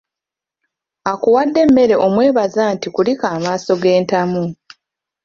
Akuwadde emmere omwebaza nti kulika amaaso g’entamu.